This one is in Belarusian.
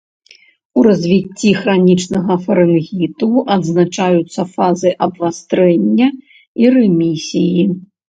У развіцці хранічнага фарынгіту адзначаюцца фазы абвастрэння і рэмісіі.